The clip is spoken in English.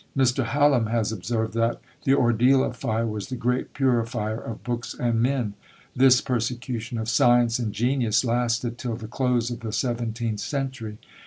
Mr. Hallam has observed, that "the ordeal of fire was the great purifier of books and men." This persecution of science and genius lasted till the close of the seventeenth century.